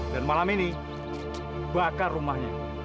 dan malam ini bakar rumahnya